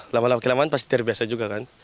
lama lama kelamaan pasti terbiasa juga kan